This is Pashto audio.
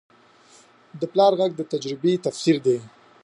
د پلار غږ د تجربې تفسیر دی